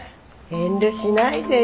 遠慮しないでよ。